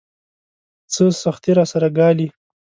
څه سختۍ راسره ګالي.